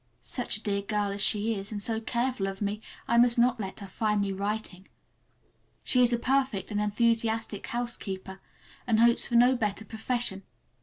Such a dear girl as she is, and so careful of me! I must not let her find me writing. She is a perfect, and enthusiastic housekeeper, and hopes for no better profession.